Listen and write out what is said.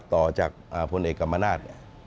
ต่อจากพลเอกกรรมนาศ